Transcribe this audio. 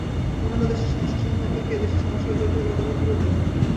অন্যান্য দেশের সমস্যাসমূহ অপেক্ষা এদেশের সমস্যা জটিলতর, গুরুতর।